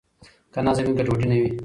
که نظم وي ګډوډي نه وي.